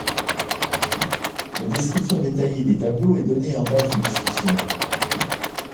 La description détaillée des tableaux est donnée en page de discussion.